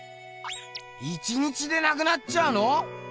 １日でなくなっちゃうの？